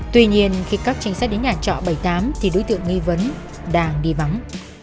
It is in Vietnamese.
tuy nhiên khi các trinh sát đến nhà trọ bảy mươi tám thì đối tượng nghi vấn đang đi vắng